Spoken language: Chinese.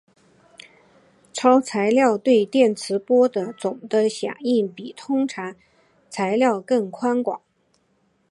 超材料对电磁波的总的响应比通常材料更宽广。